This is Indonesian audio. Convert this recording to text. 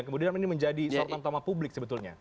kemudian ini menjadi sorotan toma publik sebetulnya